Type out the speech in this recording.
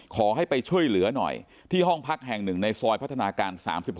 ขอให้ไปช่วยเหลือหน่อยที่ห้องพักแห่งหนึ่งในซอยพัฒนาการ๓๖